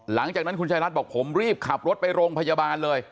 หลังจากนั้นคุณชายรัฐบอกผมรีบขับรถไปโรงพยาบาลเลย